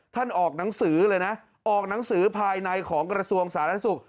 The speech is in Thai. ออกหนังสือเลยนะออกหนังสือภายในของกระทรวงสาธารณสุข